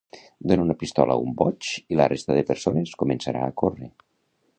Dona una pistola a un boig i la resta de persones començarà a córrer